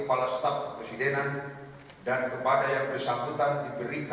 lalu kebangsaan indonesia baik